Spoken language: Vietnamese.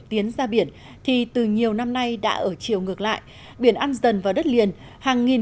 tiến ra biển thì từ nhiều năm nay đã ở chiều ngược lại biển ăn dần vào đất liền hàng nghìn